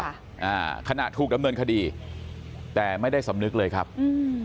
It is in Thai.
อ่าขณะถูกดำเนินคดีแต่ไม่ได้สำนึกเลยครับอืม